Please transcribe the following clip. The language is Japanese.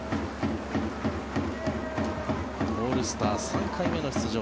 オールスター３回目の出場。